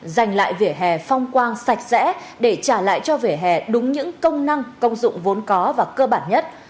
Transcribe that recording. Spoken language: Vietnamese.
dành lại vỉa hè phong quang sạch sẽ để trả lại cho vỉa hè đúng những công năng công dụng vốn có và cơ bản nhất